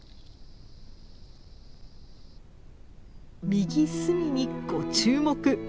右隅にご注目！